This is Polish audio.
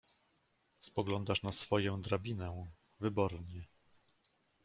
"spoglądasz na swoję drabinę... wybornie."